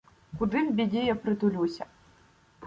Куди в біді я притулюся?